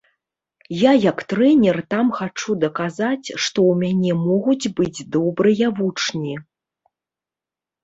Я як трэнер там хачу даказаць, што ў мяне могуць быць добрыя вучні.